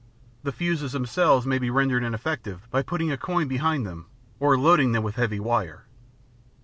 The fuses themselves may be rendered ineffective by putting a coin behind them or loading them with heavy wire.